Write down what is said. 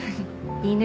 いいね